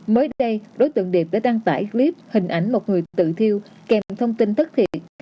mới đây đối tượng điệp đã đăng tải clip hình ảnh một người tự thiêu kèm thông tin thất thiệt